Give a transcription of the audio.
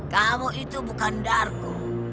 kamu itu bukan darko